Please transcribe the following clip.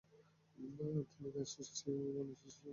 তিনি তার সৃষ্টি যা ইচ্ছা বৃদ্ধি করেন।